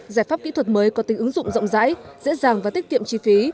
giải pháp kỹ thuật mới có tính ứng dụng rộng rãi dễ dàng và tiết kiệm chi phí